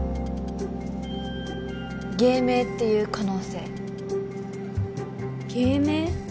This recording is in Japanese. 芸名っていう可能性芸名？